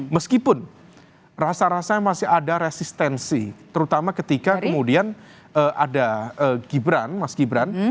meskipun rasa rasanya masih ada resistensi terutama ketika kemudian ada gibran mas gibran